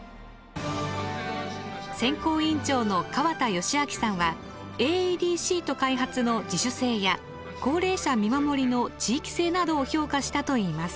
選考委員長の河田惠昭さんはＡＥＤシート開発の自主性や高齢者見守りの地域性などを評価したといいます。